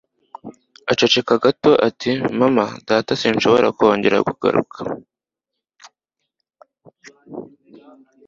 Aceceka gato ati: "Mama, Data, sinshobora kongera kugaruka."